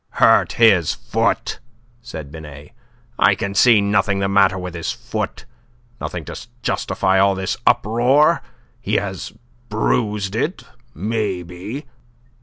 "Hurt his foot!" said Binet. "I can see nothing the matter with his foot nothing to justify all this uproar. He has bruised it, maybe..."